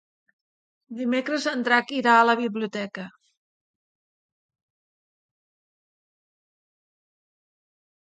Dimecres en Drac irà a la biblioteca.